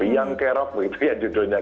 yang ke rock itu ya judulnya